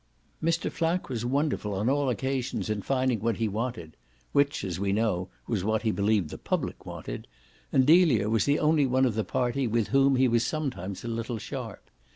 Mr. Flack was wonderful on all occasions in finding what he wanted which, as we know, was what he believed the public wanted and Delia was the only one of the party with whom he was sometimes a little sharp.